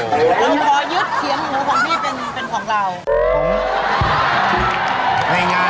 เราพอยึดเฉียงหัวของพี่เป็นของเรา